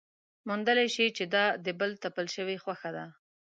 موندلی شي چې دا د بل تپل شوې خوښه ده.